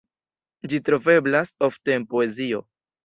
Ĝi troveblas ofte en poezio.